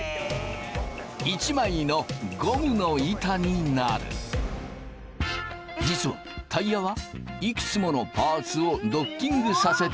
一枚の実はタイヤはいくつものパーツをドッキングさせて作る。